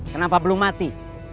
kenapa belum mati